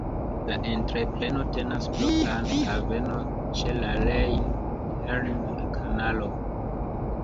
La entrepreno tenas propran havenon ĉe la Rejn-Herne-Kanalo.